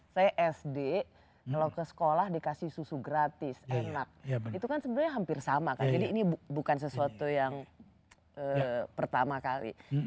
saya sd kalau ke sekolah dikasih susu gratis enak itu kan sebenarnya hampir sama kan jadi ini bukan sesuatu yang pertama kali